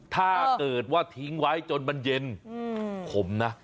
ถ้าเกิดว่าทิ้งไว้จนมันเย็นขมนะ